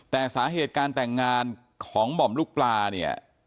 แต่สาเหตุการแต่งงานของหม่อมลูกปลาเนี่ย